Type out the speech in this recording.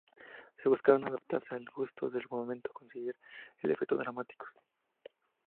Se buscaba adaptarse al gusto del momento y conseguir los efectos dramáticos.